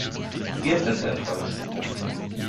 Wir sind enttäuscht.